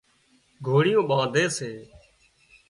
گھوڙيون ٻانڌي سي